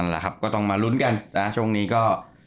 แหละครับก็ต้องมาลุ้นกันนะช่วงนี้ก็